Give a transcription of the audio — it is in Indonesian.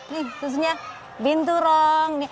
nih susunya binturong